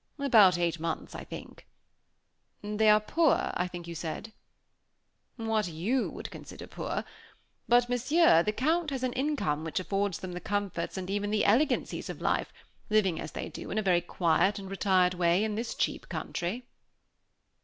"About eight months, I think." "They are poor, I think you said?" "What you would consider poor. But, Monsieur, the Count has an income which affords them the comforts and even the elegancies of life, living as they do, in a very quiet and retired way, in this cheap country."